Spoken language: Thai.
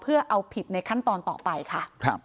เพื่อเอาผิดในขั้นตอนต่อไปค่ะ